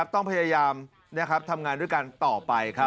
ต้องพยายามทำงานด้วยกันต่อไป